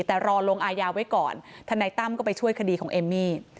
แต่รอลงอายาไว้ก่อนทนายตั้มก็ไปช่วยคดีของเอมมี่